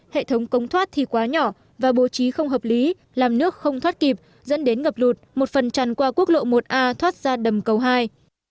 hệ thống cống thoát thì quá nhỏ và bố trí không hợp lý làm nước không thoát kịp dẫn đến ngập lụt một phần tràn qua quốc lộ một a thoát ra đầm cầu hai